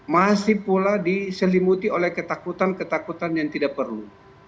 masih pula diselimuti oleh ketakutan ketakutan yang tidak perlu